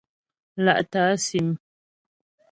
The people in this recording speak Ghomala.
Lá'tə̀ á sim.